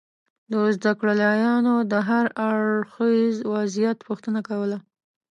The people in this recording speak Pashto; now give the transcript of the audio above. د زده کړیالانو دهر اړخیز وضعیت پوښتنه کول